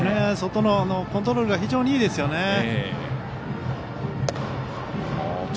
外のコントロールが非常にいいですよね。